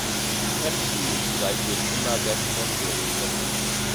Pepsi ist seitdem immer der Sponsor des Rennens.